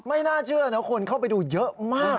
ไม่น่าเชื่อนะคนเข้าไปดูเยอะมาก